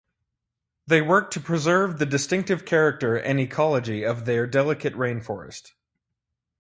They work to preserve the distinctive character and ecology of their delicate rainforest.